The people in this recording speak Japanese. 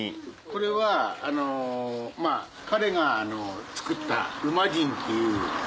これは彼が作ったウマジンっていう。